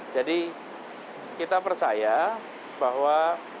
jadi kita percaya bahwa